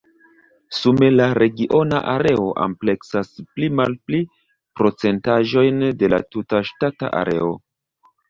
Sume la regiona areo ampleksas pli-malpli procentaĵojn de la tuta ŝtata areo.